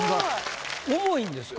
重いんですか？